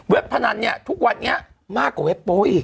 พนันเนี่ยทุกวันนี้มากกว่าเว็บโป้อีก